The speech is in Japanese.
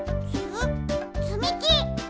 つみき！